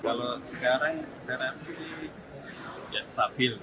kalau sekarang serasi stabil